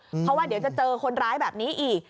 เพราะว่าเดี๋ยวจะเจอคนร้ายแบบนี้อีก